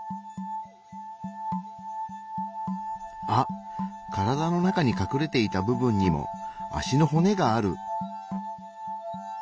あっ体の中にかくれていた部分にも脚の骨がある。